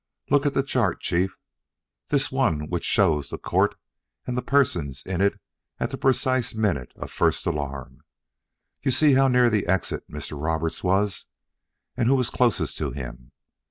Look at the chart, Chief this one which shows the court and the persons in it at the precise minute of first alarm. You see how near the exit Mr. Roberts was, and who was closest to him.